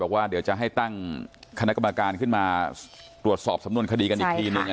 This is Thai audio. บอกว่าเดี๋ยวจะให้ตั้งคณะกรรมการขึ้นมาตรวจสอบสำนวนคดีกันอีกทีหนึ่ง